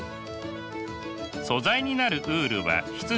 素材になるウールは羊の毛。